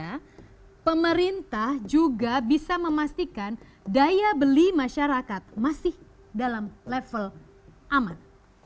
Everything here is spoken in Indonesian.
karena pemerintah juga bisa memastikan daya beli masyarakat masih dalam level aman